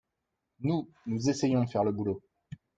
Nous, nous essayons de faire le boulot.